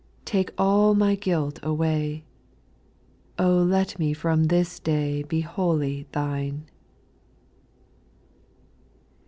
Take all my guilt away : O let me from this day Be wholly Thine.